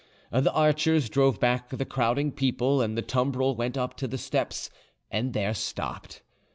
The archers drove back the crowding people, and the tumbril went up to the steps, and there stopped.